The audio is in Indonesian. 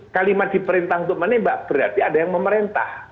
kalimat diperintah untuk menembak berarti ada yang memerintah